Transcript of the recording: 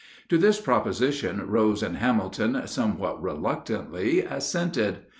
To this proposition Rose and Hamilton somewhat reluctantly assented.